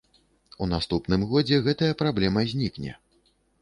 У наступным годзе гэтая праблема знікне.